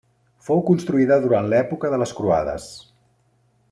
Fou construïda durant l'època de les croades.